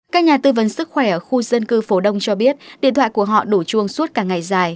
các nhà tư vấn sức khỏe ở khu dân cư phố đông cho biết điện thoại của họ đổ chuông suốt cả ngày dài